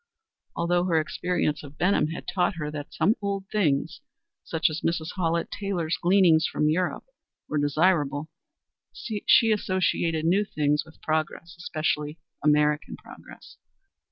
Although her experience of Benham had taught her that some old things such as Mrs. Hallett Taylor's gleanings from Europe were desirable, she associated new things with progress especially American progress.